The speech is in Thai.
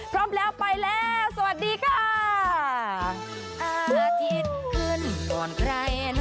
พร้อมแล้วไปแล้วสวัสดีค่ะ